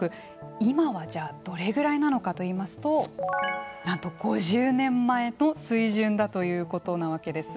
今はじゃあどれぐらいなのかといいますとなんと５０年前の水準だということなわけです。